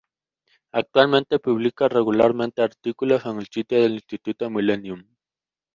Actualmente, publica regularmente artículos en el sitio del Instituto Millenium.